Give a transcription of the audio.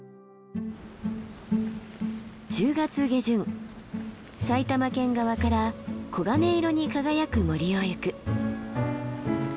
１０月下旬埼玉県側から黄金色に輝く森を行く。